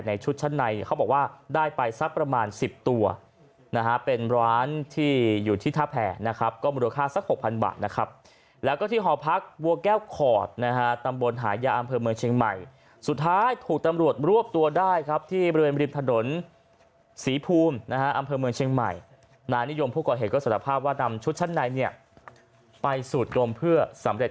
นะฮะเป็นร้านที่อยู่ที่ถ้าแผงนะครับก็มรูคค่าสัก๖๐๐๐บาทนะครับแล้วก็ที่หอพักวัวแก้วขอดนะฮะตำบลหายาอำเภอเมืองเชียงใหม่สุดท้ายถูกตำรวจรอบตัวได้ครับที่บริเวณบิริมฐนศรีภูมินะฮะอำเภอเมืองเชียงใหม่นานิยมผู้ก่อเหตุก็สัดภาพว่านำชุดชั้นในเนี่ยไปสูดโกรมเพื่อ